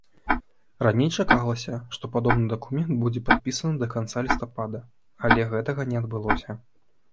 Раней чакалася, што падобны дакумент будзе падпісаны да канца лістапада, але гэтага не адбылося.